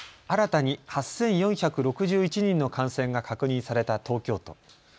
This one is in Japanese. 新たに８４６１人の感染が確認された東京都。